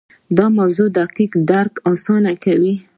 د موضوع دقیق درک اسانه کوي.